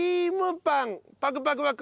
パクパクパク。